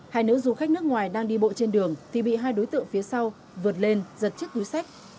hai nữ du khách nước ngoài đang đi bộ trên đường thì bị hai đối tượng phía sau vượt lên giật chiếc túi sách